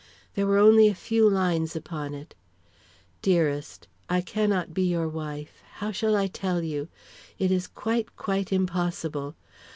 There were only a few lines upon it: "Dearest: I cannot be your wife how shall I tell you? It is quite, quite impossible.